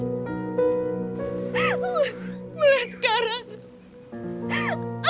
anggap saja kita tidak pernah saling kenal